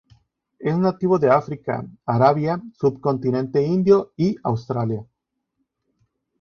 Es nativo de África, Arabia, subcontinente indio y Australia.